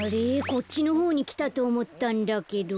こっちのほうにきたとおもったんだけど。